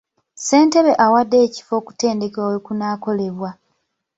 Ssentebe awaddeyo ekifo okutendekebwa we kunaakolebwa.